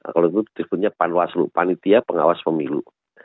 kalau itu disebutnya panwaslu panitia pengawas pemilu